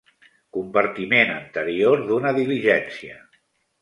Compartiment anterior d'una diligència.